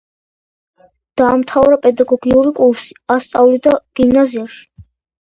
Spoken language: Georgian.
დაამთავრა პედაგოგიური კურსი, ასწავლიდა გიმნაზიაში.